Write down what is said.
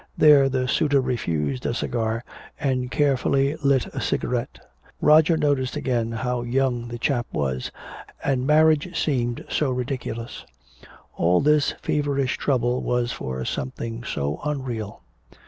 There the suitor refused a cigar and carefully lit a cigarette. Roger noticed again how young the chap was, and marriage seemed so ridiculous! All this feverish trouble was for something so unreal!